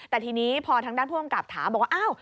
แต่ทีนี้พอทางด้านผู้กำกับถามบอกว่าอ้าว